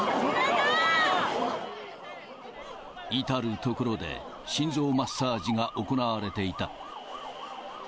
至る所で心臓マッサージが行われていた。